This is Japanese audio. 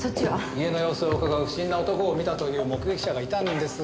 家の様子をうかがう不審な男を見たという目撃者がいたんですが。